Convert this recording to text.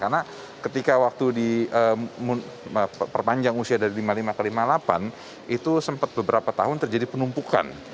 karena ketika waktu di perpanjang usia dari lima puluh lima ke lima puluh delapan itu sempat beberapa tahun terjadi penumpukan